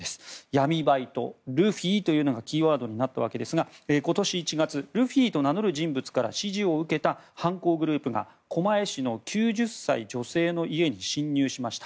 闇バイト、ルフィというのがキーワードになったわけですが今年１月ルフィと名乗る人物から指示を受けた犯行グループが狛江市の９０歳女性の家に侵入しました。